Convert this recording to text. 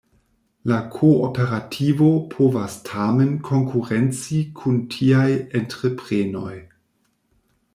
La kooperativo povas tamen konkurenci kun tiaj entreprenoj.